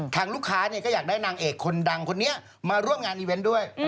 ทางลูกค้าก็อยากได้นางเอกคนดังคนนี้มาร่วมงานอีเวนต์ด้วย